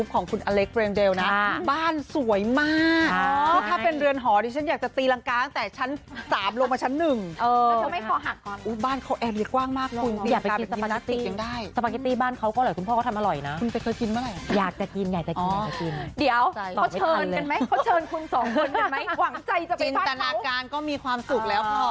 ก็มีความสุขแล้วพอ